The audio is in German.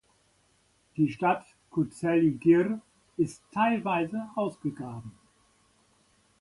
Die Stadt Kyuzeli-gyr ist teilweise ausgegraben.